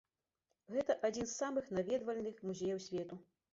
Гэта адзін з самых наведвальных музеяў свету.